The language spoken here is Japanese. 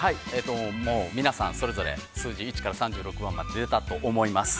◆もう、皆さん、それぞれ数字１から３６番まで出たと思います。